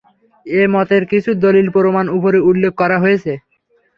এ মতের কিছু দলীল-প্রমাণ উপরে উল্লেখ করা হয়েছে।